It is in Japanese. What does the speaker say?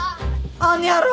あの野郎。